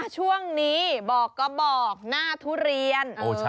ช่วงนี้บอกก็บอกหน้าทุเรียน